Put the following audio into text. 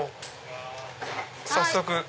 早速。